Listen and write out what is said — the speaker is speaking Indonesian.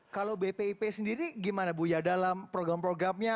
kalau bpip sendiri gimana bu ya dalam program programnya